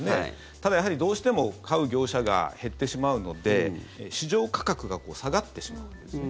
ただ、やはりどうしても買う業者が減ってしまうので市場価格が下がってしまうんですね。